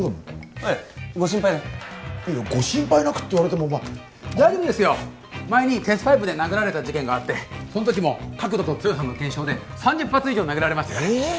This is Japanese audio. ええご心配なくご心配なくって言われても大丈夫です前に鉄パイプで殴られた事件があってそのときも角度と強さの検証で３０発以上殴られましたからえッ！？